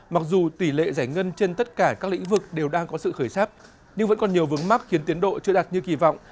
mặc dù tỷ lệ giải ngân trên tất cả các lĩnh vực đều đang có sự khởi sắp nhưng vẫn còn nhiều vướng mắt khiến tiến độ chưa đạt như kỳ vọng